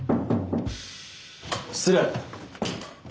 失礼。